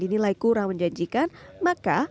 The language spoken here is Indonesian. dinilai kurang menjanjikan maka